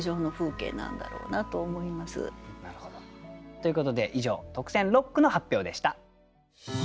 ということで以上特選六句の発表でした。